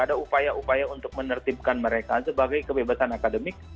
ada upaya upaya untuk menertibkan mereka sebagai kebebasan akademik